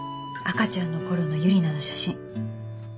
赤ちゃんの頃のユリナの写真。